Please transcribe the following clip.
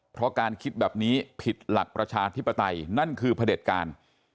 เพราะการคิดแบบนี้ผิดหลักประชาธิปไตยนั่นคือพระเด็จการ